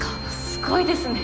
すごいですね！